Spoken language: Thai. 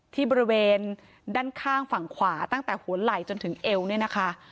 ที่บริเวณด้านข้างฝั่งขวาตั้งแต่หัวไหล่จนถึงเอวเนี่ยนะคะ